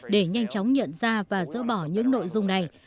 để nhanh chóng nhận ra và dỡ bỏ những nội dung này